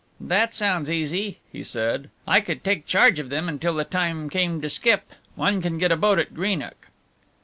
"That sounds easy," he said, "I could take charge of them until the time came to skip. One can get a boat at Greenock."